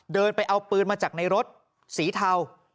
เดินไปเอาปืนมาจากในรถสีเทา